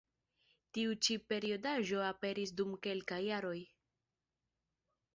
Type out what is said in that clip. Tiu ĉi periodaĵo aperis dum kelkaj jaroj.